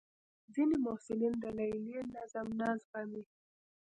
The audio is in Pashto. ځینې محصلین د لیلیې نظم نه زغمي.